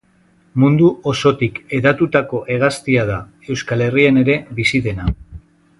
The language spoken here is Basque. Mundu osotik hedatutako hegaztia da, Euskal Herrian ere bizi dena.